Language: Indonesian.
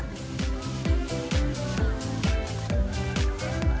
bagaimana cara membuatnya